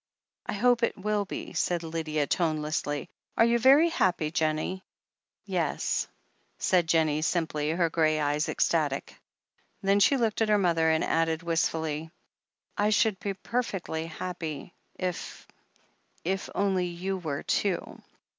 "I hope it will be," said Lydia tonelessly. "Are you very happy, Jennie?" "Yes," said Jennie simply, her grey eyes ecstatic. Then she looked at her mother, and added wist fully: "I should be perfectly happy if — if only you were, too."